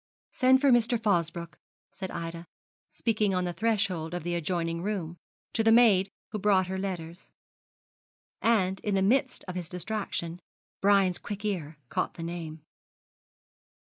'Send for Mr. Fosbroke,' said Ida, speaking on the threshold of the adjoining room, to the maid who brought her letters; and, in the midst of his distraction, Brian's quick ear caught the name.